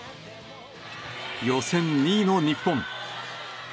予選２位の日本。